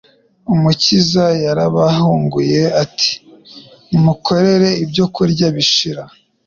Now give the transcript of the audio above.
Umukiza yarabahuguye ati "Ntimukorere ibyo kurya bishira,